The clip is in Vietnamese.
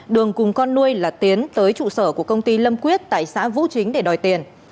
đường cùng con nuôi là tiến tới trụ sở của công ty lâm quyết tại xã vũ chính để đòi tiền